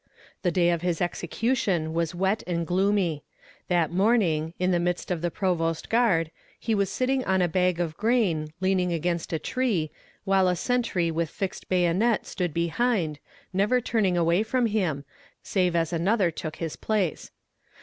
The day of his execution was wet and gloomy. That morning, in the midst of the provost guard, he was sitting on a bag of grain, leaning against a tree, while a sentry with fixed bayonet stood behind, never turning away from him, save as another took his place.